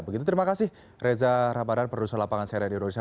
begitu terima kasih reza rabadan produser lapangan seri di indonesia